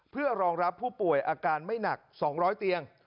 เพื่อรองรับผู้ป่วยอาการไม่หนัก๒๐๐เตียง